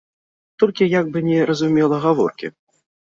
Толькі як бы не разумела гаворкі.